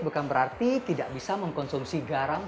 bukan berarti tidak bisa mengkonsumsi garam